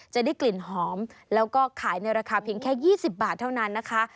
จะได้กลิ่นหอมแล้วก็ขายในราคาเพียงแค่๒๐บาทเท่านั้นนะคะ